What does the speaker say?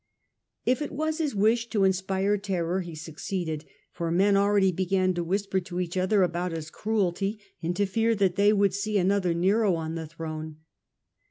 If it was his wish to inspire terror he succeeded, for men already began to whisper to each other about his cruelty, and to fear that they would see another Nero on andhisreia thronc.